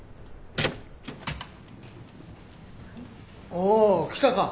おー来たか。